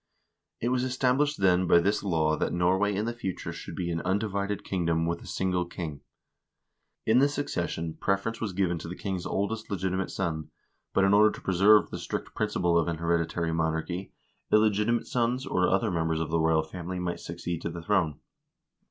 1 It was established, then, by this law that Norway in the future should be an undivided kingdom with a single king. In the succession pref erence was given to the king's oldest legitimate son, but in order to preserve the strict principle of an hereditary monarchy, illegitimate 1 Hdkonarbdk, Norges gamle Love, vol. I., p. 263. king haakon's legal reforms 433 sons, or other members of the royal family, might succeed to the throne.